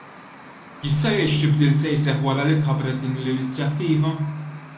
Jista' jgħid x'tibdil se jseħħ wara li tħabbret din l-inizjattiva?